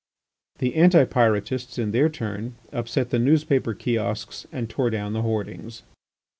The Anti Pyrotists in their turn upset the newspaper kiosks and tore down the hoardings.